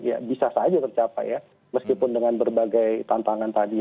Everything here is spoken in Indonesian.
ya bisa saja tercapai ya meskipun dengan berbagai tantangan tadi